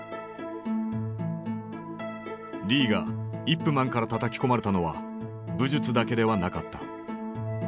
リーがイップ・マンからたたき込まれたのは武術だけではなかった。